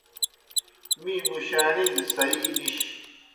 می مُشاݨیْ دہ سیی نِش۔